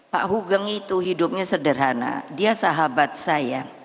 pak hugeng itu hidupnya sederhana dia sahabat saya